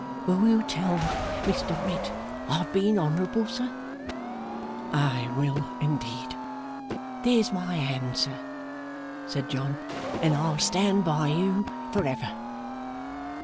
'Will you tell Miss Dorrit I've been honourable, sir?' 'I will indeed.' 'There's my hand, sir,' said John, 'and I'll stand by you forever!